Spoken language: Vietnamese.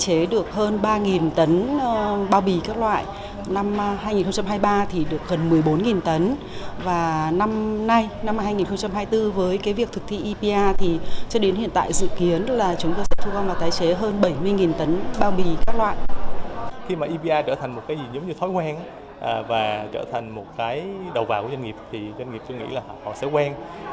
epr trở thành một cái gì giống như thói quen và trở thành một cái đầu vào của doanh nghiệp thì doanh nghiệp tôi nghĩ là họ sẽ quen